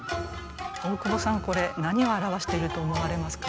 大久保さんこれ何を表していると思われますか？